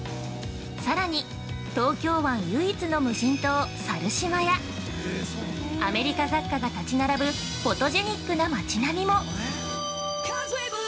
さらに、東京湾唯一の無人島・猿島や、アメリカ雑貨が立ち並ぶフォトジェニックな町並みも！